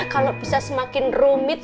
kalau bisa semakin rumit